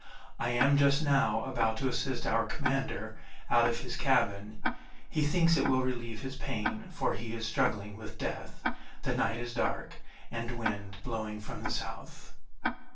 I am just now about to assist our commander out of his cabin; he thinks it will relieve his pain, for he is struggling with death. The night is dark, and wind blowing from the south."